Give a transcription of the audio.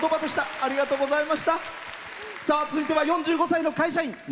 続いては４５歳の会社員。